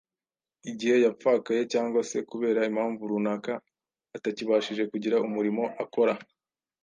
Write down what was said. igihe yapfakaye cyangwa se kubera impamvu runaka atakibashije kugira umurimo akora.